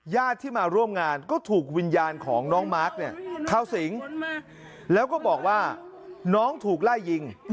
ญาติที่มาร่วมงานก็ถูกวิญญาณของน้องมาร์คเนี่ยเข้าสิงแล้วก็บอกว่าน้องถูกไล่ยิง